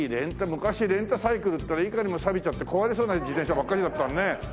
昔レンタサイクルっていったらいかにもさびちゃって壊れそうな自転車ばっかりだったね。